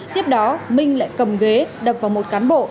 tiếp đó minh lại cầm ghế đập vào một cán bộ